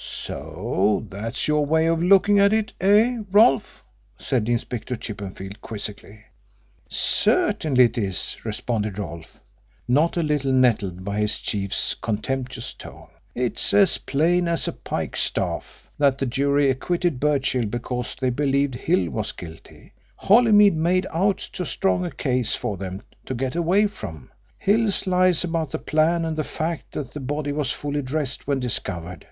"So that's your way of looking at it, eh, Rolfe?" said Inspector Chippenfield quizzically. "Certainly it is," responded Rolfe, not a little nettled by his chief's contemptuous tone. "It's as plain as a pikestaff that the jury acquitted Birchill because they believed Hill was guilty. Holymead made out too strong a case for them to get away from Hill's lies about the plan and the fact that the body was fully dressed when discovered."